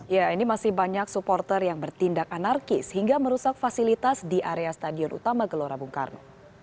ya ini masih banyak supporter yang bertindak anarkis hingga merusak fasilitas di area stadion utama gelora bung karno